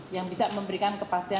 yang bisa memberikan kepentingan